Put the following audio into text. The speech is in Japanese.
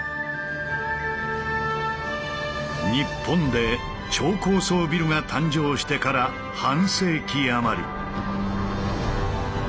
日本で超高層ビルが誕生してから半世紀余り。